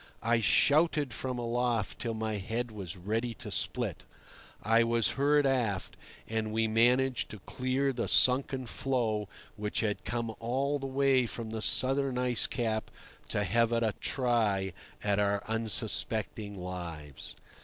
I shouted from aloft till my head was ready to split. I was heard aft, and we managed to clear the sunken floe which had come all the way from the Southern ice cap to have a try at our unsuspecting lives.